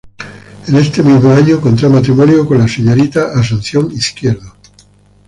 En este mismo año, contrae matrimonio con la señorita Asunción Izquierdo.